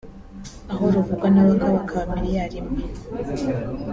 aho ruvugwa n’abakabakaba miliyari imwe